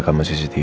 ada apa rusangnya